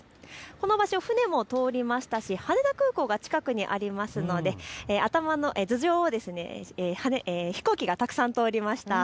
この場所、船も通りましたし羽田空港が近くにあるので頭上を飛行機がたくさん通りました。